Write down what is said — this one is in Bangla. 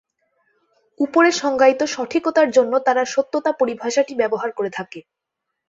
উপরে সংজ্ঞায়িত "সঠিকতা"-র জন্য তারা "সত্যতা" পরিভাষাটি ব্যবহার করে থাকে।